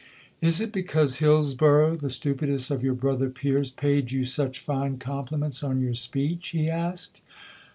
"Is it because Hillsborough, the stupidest of your brother peers, paid you such fine compliments on your speech?" he asked.